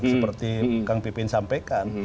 seperti kang pipin sampaikan